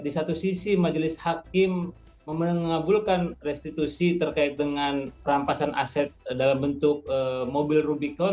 di satu sisi majelis hakim mengabulkan restitusi terkait dengan perampasan aset dalam bentuk mobil rubicon